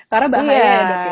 karena bahaya banget ya